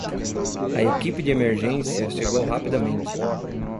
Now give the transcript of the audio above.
A equipe de emergência chegou rapidamente.